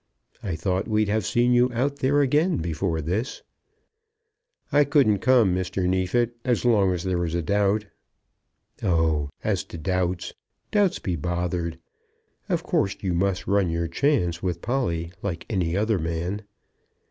I thought we'd have seen you out there again before this." "I couldn't come, Mr. Neefit, as long as there was a doubt." "Oh, as to doubts, doubts be bothered. Of course you must run your chance with Polly like any other man."